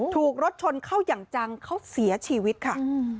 ถูกรถชนเข้าอย่างจังเขาเสียชีวิตค่ะ